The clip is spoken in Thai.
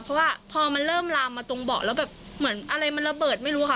เพราะว่าพอมันเริ่มลามมาตรงเบาะแล้วแบบเหมือนอะไรมันระเบิดไม่รู้ค่ะ